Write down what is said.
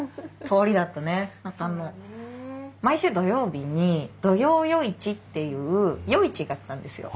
そうだねえ。毎週土曜日に土曜夜市っていう夜市があったんですよ。